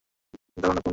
চিন্তা কোরো না, পোন্নি।